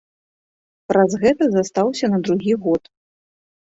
Праз гэта застаўся на другі год.